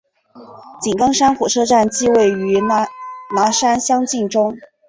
井冈山火车站即位于拿山乡境内。